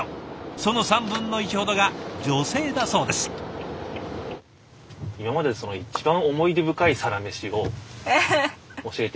その３分の１ほどが女性だそうです。